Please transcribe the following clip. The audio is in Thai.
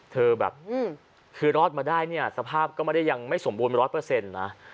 เธอแบบคือรอดมาได้เนี่ยสภาพก็ไม่ได้ยังไม่สมบูรณ์๑๐๐นะ